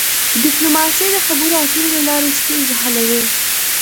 ډيپلوماسي د خبرو اترو له لاري ستونزي حلوي.